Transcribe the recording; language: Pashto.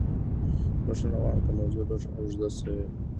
بښنه غواړم که موضوع لږه اوږده شوې وي.